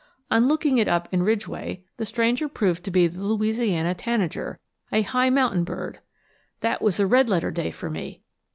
On looking it up in Ridgway the stranger proved to be the Louisiana tanager, a high mountain bird. That was a red letter day for me.